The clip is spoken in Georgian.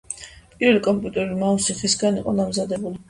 პირველი კომპიუტერული მაუსი ხისგან იყო დამზადებული.